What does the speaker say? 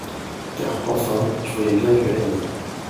Car enfin, je voyais bien que M.